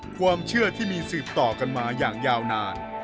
ความเชื่อที่มีสืบต่อกันมาอย่างยาวนาน